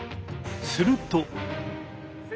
すると。